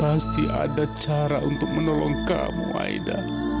pasti ada cara untuk menolong kamu aida